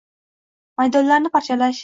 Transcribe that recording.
Maydonlarni parchalash